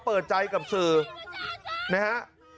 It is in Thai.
เปิดใจกับสื่อนะฮะ